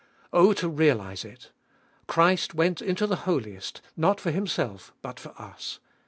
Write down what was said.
4. Oh to realise it I Christ went Into the Holiest, not for Himself, but for us.